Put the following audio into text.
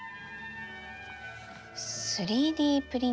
３Ｄプリンター？